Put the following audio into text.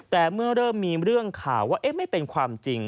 แต่เมื่อเริ่มมีเรื่องข่าวว่าไม่เป็นความจริง